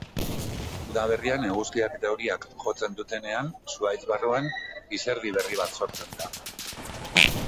Udaberrian eguzkiak eta euriak jotzen dutenean, zuhaitz barruan izerdi berri bat sortzen da.